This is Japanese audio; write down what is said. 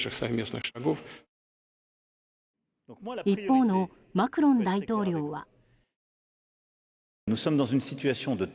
一方のマクロン大統領は。